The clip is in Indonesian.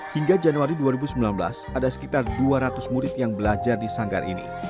hingga januari dua ribu sembilan belas ada sekitar dua ratus murid yang belajar di sanggar ini